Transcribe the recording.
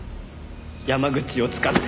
山口を使って。